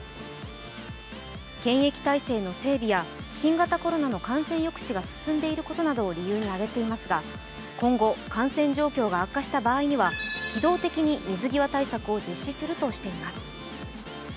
検疫体制の整備や新型コロナの感染抑止が進んでいることなどを理由に挙げていますが今後、感染状況が悪化した場合には機動的に水際対策を実施するとしています。